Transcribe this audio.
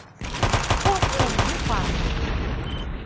ควบคุมด้วยความรู้